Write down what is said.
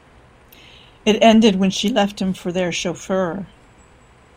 It ended when she left him for their chauffeur.